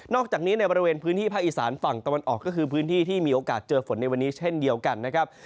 อกจากนี้ในบริเวณพื้นที่ภาคอีสานฝั่งตะวันออกก็คือพื้นที่ที่มีโอกาสเจอฝนในวันนี้เช่นเดียวกันนะครับ